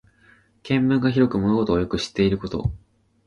見聞が広く物事をよく知っていること。